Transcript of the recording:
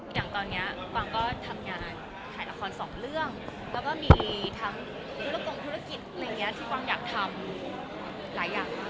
อย่างตอนนี้กวางก็ทำงานถ่ายละครสองเรื่องแล้วก็มีทั้งธุรกงธุรกิจอะไรอย่างนี้ที่กวางอยากทำหลายอย่าง